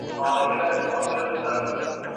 موږ ټول شواهد لیدلي دي.